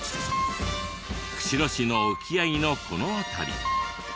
釧路市の沖合のこの辺り。